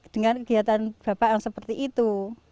dengan kegiatan bapak yang seperti itu